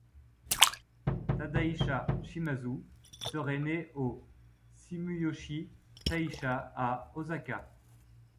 Tadahisa Shimazu serait né au Sumiyoshi-taisha à Osaka.